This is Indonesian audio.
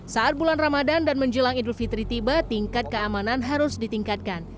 saat bulan ramadan dan menjelang idul fitri tiba tingkat keamanan harus ditingkatkan